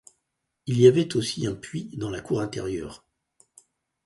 Il y avait aussi un puits dans la cour intérieure.